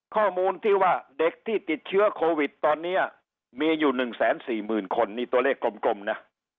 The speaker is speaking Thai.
ข้อมูลที่ว่าเด็กที่ติดเชื้อโควิดตอนนี้มีอยู่๑๔๐๐๐คนนี่ตัวเลขกลมนะ